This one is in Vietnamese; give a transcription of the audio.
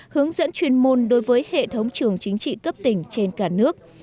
hướng dẫn chuyên môn đối với hệ thống trường chính trị cấp tỉnh trên cả nước